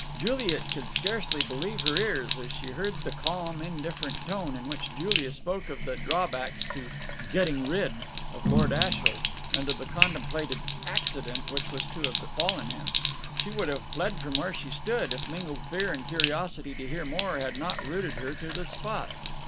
Juliet could scarcely believe her ears as she heard the calm, indifferent tone in which Julia spoke of the drawbacks to "getting rid" of Lord Ashiel, and of the contemplated "accident" which was to have befallen him. She would have fled from where she stood, if mingled fear and curiosity to hear more had not rooted her to the spot.